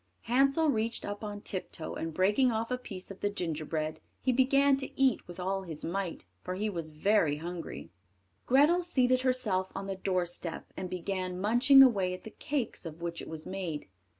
Hansel reached up on tiptoe, and breaking off a piece of the gingerbread, he began to eat with all his might, for he was very hungry. Grethel seated herself on the doorstep, and began munching away at the cakes of which it was made.